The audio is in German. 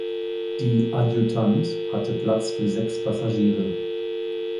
Die "Adjutant" hatte Platz für sechs Passagiere.